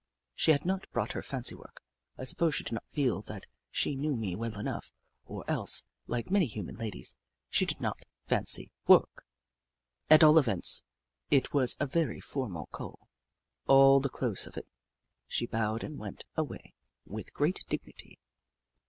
She had not brought her fancy work — I suppose she did not feel that she knew me well enough, or else, like many human ladies, she did not fancy work. At all events, it was a very formal call. At the close of it, she bowed and went away with great dignity.